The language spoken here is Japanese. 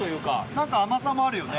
何か甘さもあるよね。